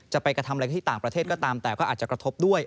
ไปกระทำอะไรที่ต่างประเทศก็ตามแต่ก็อาจจะกระทบด้วย